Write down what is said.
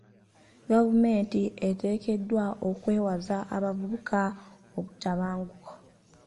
Gavumenti eteekeddwa okwewaza abavubuka obutabanguko.